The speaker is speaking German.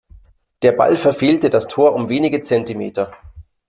Der Ball verfehlte das Tor um wenige Zentimeter.